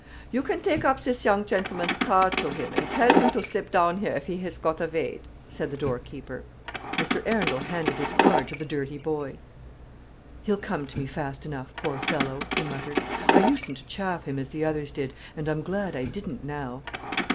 "You gan dake ub zis young chendleman's gard do him, and dell him to slib town here if he has kod a vaid," said the door keeper. Mr. Arundel handed his card to the dirty boy. "He'll come to me fast enough, poor fellow," he muttered. "I usen't to chaff him as the others did, and I'm glad I didn't, now."